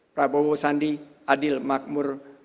prabowo sandi adil makmur